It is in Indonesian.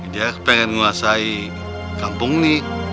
dia pengen menguasai kampung ini